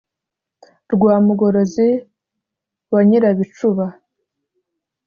rwa mugorozi wa nyirabicuba